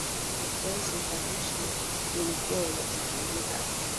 ya redio france international ulikuwa unasikiliza